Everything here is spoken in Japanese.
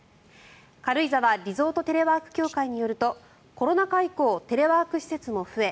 軽井沢リゾートテレワーク協会によるとコロナ禍以降テレワーク施設も増え